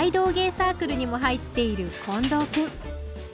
サークルにも入っている近藤くん。